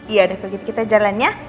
yaudah kalau gitu kita jalan ya